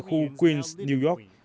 tại khu queens new york